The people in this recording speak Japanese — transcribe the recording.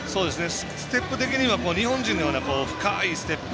ステップ的には日本人には深いステップ。